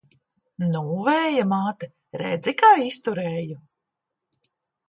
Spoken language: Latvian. Nu, Vēja māte, redzi, kā izturēju!